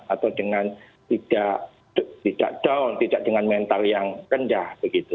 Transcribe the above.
atau dengan tidak down tidak dengan mental yang rendah begitu